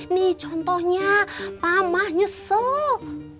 nih contohnya mama nyesel